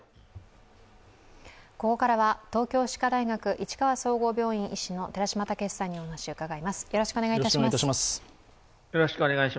ここからは東京歯科大学市川総合病院医師の寺嶋毅さんにお話を伺います。